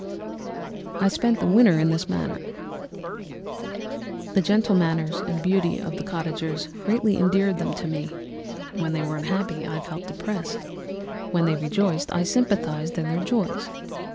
_ "I spent the winter in this manner. The gentle manners and beauty of the cottagers greatly endeared them to me; when they were unhappy, I felt depressed; when they rejoiced, I sympathised in their joys.